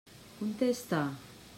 Contesta!